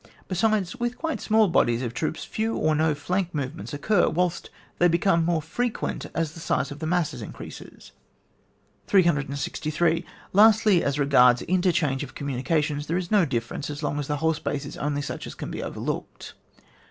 Besides, vrith quite small bodies of troops few or no flank movements occur, whilst they become more frequent as the size of the masses increases. 363. Lastly, as regards interchange of commtmications, there is no difference as long as the whole space is only such as can be overlooked.